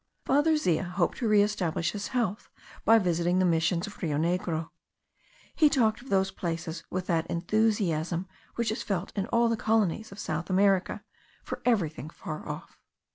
Father Zea hoped to reestablish his health by visiting the Missions of Rio Negro. He talked of those places with that enthusiasm which is felt in all the colonies of South America for everything far off.